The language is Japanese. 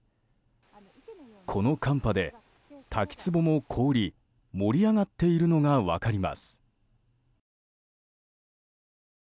この寒波で滝つぼも凍り盛り上がっているのが分かります。